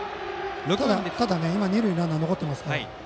ただ、今も二塁にランナーが残っていますからね。